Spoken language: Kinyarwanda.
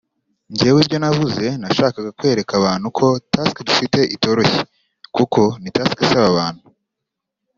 “Njyewe ibyo navuze nashakaga kwereka abantu ko task dufite itoroshye…kuko ni task isaba abantu